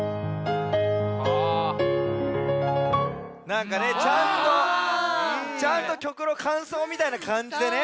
なんかねちゃんとちゃんと曲のかんそうみたいなかんじでね。